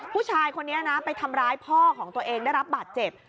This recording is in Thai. ผู้ชายคนนี้นะไปทำร้ายพ่อของตัวเองได้รับบาดเจ็บ